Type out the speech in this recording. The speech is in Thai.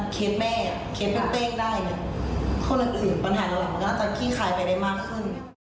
เคสแม่เคสเป็นเต้งได้คนอื่นปัญหาเรื่องหลังมันก็จะขี้คายไปได้มากขึ้น